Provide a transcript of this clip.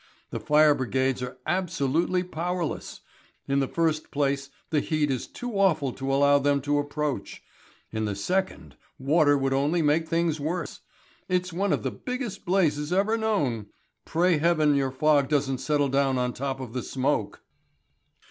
The fire brigades are absolutely powerless in the first place the heat is too awful to allow them to approach; in the second, water would only make things worse. It's one of the biggest blazes ever known. Pray Heaven, your fog doesn't settle down on the top of the smoke."